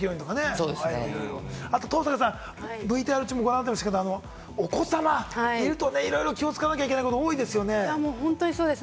登坂さんはＶＴＲ中、ご覧になってましたけれども、お子様いるといろいろ気を使わなきゃいけないことが多いと思います。